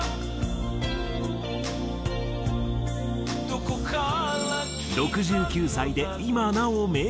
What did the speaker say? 「どこから」